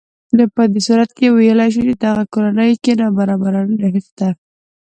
په دې صورت کې ویلی شو چې دغه کورنۍ کې نابرابري نهشته